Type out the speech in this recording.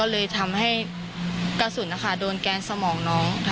ก็เลยทำให้กระสุนโดนแกล้งสมองน้องน่าจะทันที